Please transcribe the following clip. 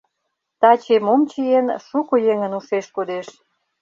Таче мом чиен — шуко еҥын ушеш кодеш.